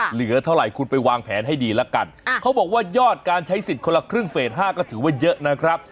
เหลือเท่าไหร่คุณไปวางแผนให้ดีละกันเขาบอกว่ายอดการใช้สิทธิ์คนละครึ่งเฟส๕ก็ถือว่าเยอะนะครับ